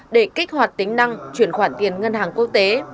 để kích hoạt tính năng chuyển khoản tiền ngân hàng quốc tế